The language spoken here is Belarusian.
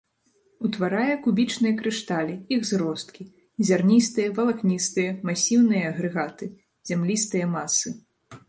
Утварае кубічныя крышталі, іх зросткі, зярністыя, валакністыя, масіўныя агрэгаты, зямлістыя масы.